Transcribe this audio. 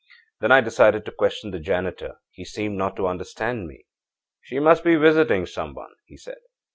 Then I decided to question the janitor. He seemed not to understand me. 'She must be visiting some one,' he said.